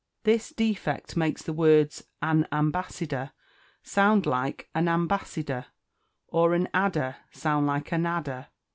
This defect makes the words an ambassador sound like a nam bassador, or an adder like a nadder.